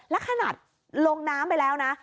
แล้วขนาดลงน้ำไปแล้วนะ